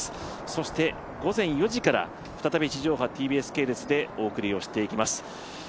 そして午前４時から再び地上派ＴＢＳ系列でお送りをしていきます。